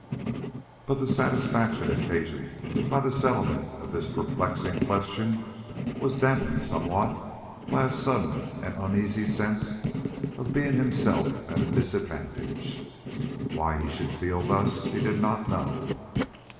But the satisfaction occasioned by the settlement of this perplexing question was dampened somewhat by a sudden and uneasy sense of being himself at a disadvantage. Why he should feel thus he did not know.